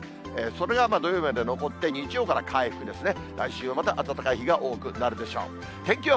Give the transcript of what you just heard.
それが土曜日まで残って、日曜から回復ですね。